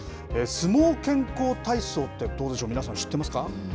相撲健康体操って、どうでしょう、皆さん知ってますか？